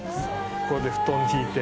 ここで布団ひいて。